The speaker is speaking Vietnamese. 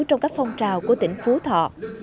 trong các phong trào của tỉnh phú thọ